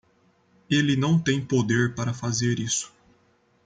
Ele não tem poder para fazer isso